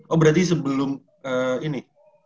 oh berarti sebelum ini